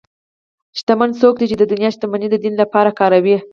شتمن څوک دی چې د دنیا شتمني د دین لپاره کاروي.